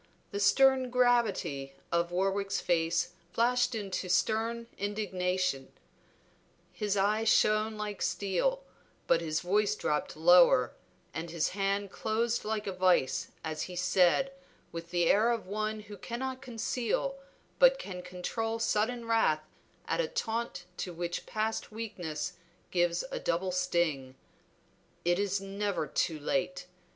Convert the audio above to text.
The stern gravity of Warwick's face flashed into a stern indignation. His eye shone like steel, but his voice dropped lower and his hand closed like a vice as he said, with the air of one who cannot conceal but can control sudden wrath at a taunt to which past weakness gives a double sting "It never is too late.